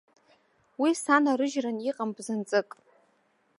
Уи санарыжьран иҟам бзанҵык.